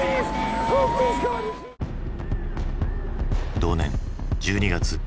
同年１２月。